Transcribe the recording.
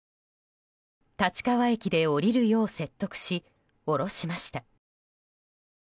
立川駅で降りるよう説得し降ろしました。